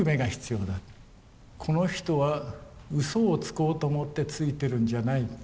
この人はうそをつこうと思ってついてるんじゃない。